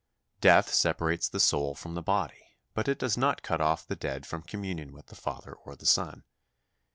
Death separates the soul from the body, but it does not cut off the dead from communion with the Father or the Son.